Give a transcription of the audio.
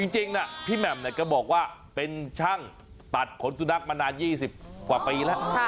จริงนะพี่แหม่มก็บอกว่าเป็นช่างตัดขนสุนัขมานาน๒๐กว่าปีแล้ว